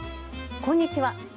こんにちは。